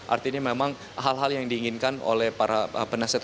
artinya memang hal hal yang diinginkan oleh para penasihat